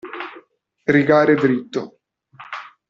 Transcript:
Rigare dritto.